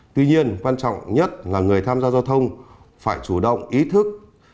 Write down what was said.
tuy nhiên quan trọng nhất là người tham gia giao thông phải chủ động ý thức